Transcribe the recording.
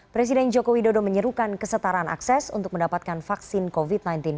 presiden joko widodo menyerukan kesetaraan akses untuk mendapatkan vaksin covid sembilan belas